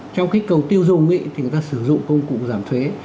trong cái cầu tiêu dùng thì người ta sử dụng công cụ giảm thuế